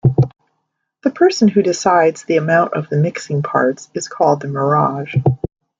The person who decides the amount of the mixing parts is called the "murage".